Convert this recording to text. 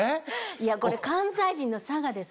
いやこれ関西人のさがです。